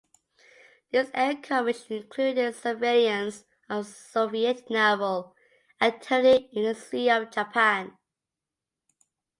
This air coverage included surveillance of Soviet naval activity in the Sea of Japan.